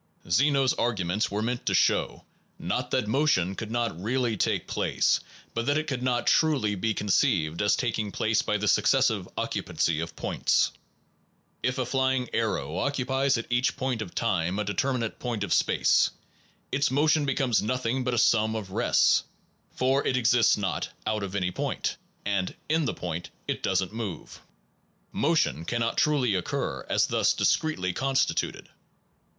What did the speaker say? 1 Zeno s argu ments were meant to show, not that motion could not really take place, but that it could not truly be conceived as taking place by the successive occupancy of points. If a flying Zeno s arrow occupies at each point of time paradoxes a determinate point of space, its motion becomes nothing but a sum of rests, for it exists not, out of any point ; and in the point it does n t move. Motion cannot truly occur as thus discretely constituted.